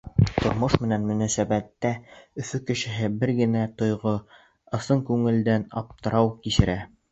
Тормош менән мөнәсәбәттә Өфө кешеһе бер генә тойғо — ысын күңелдән аптырау кисерә.